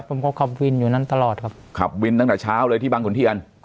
ผมก็ขับวินอยู่นั้นตลอดครับขับวินตั้งแต่เช้าเลยที่บางขุนเทียน